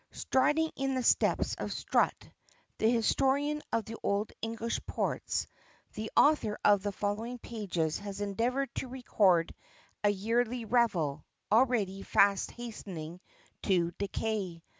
Striding in the Steps of Strutt The historian of the old English ports the author of the following pages has endeavored to record a yearly revel, already fast hastening to decay.